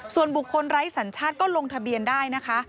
ส่วนบุคคลไร้สัญชาติก็ลงทะเบียนได้นะคะ